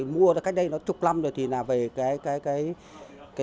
mua cách đây nó chục năm rồi thì là về